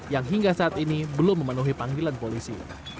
yang hingga saat ini belum memenuhi panggilan polisi